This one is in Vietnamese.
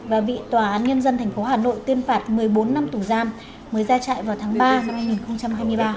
và bị tòa án nhân dân tp hà nội tuyên phạt một mươi bốn năm tù giam mới ra chạy vào tháng ba năm hai nghìn hai mươi ba